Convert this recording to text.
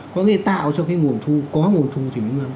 có nghĩa là tạo cho cái nguồn thu có nguồn thu thì mới nâng